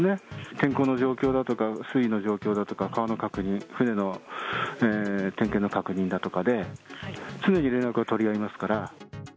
天候の状況だとか、水位の状況だとか、川の確認、船の点検の確認だとかで、常に連絡を取り合いますから。